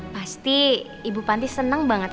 pasti ibu panti senang banget